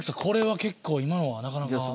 これは結構今のはなかなか。